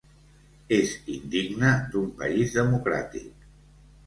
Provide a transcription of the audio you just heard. És indigne d’un país democràtic.